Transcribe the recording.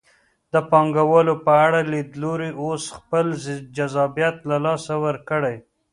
د پانګوالو په اړه لیدلوري اوس خپل جذابیت له لاسه ورکړی.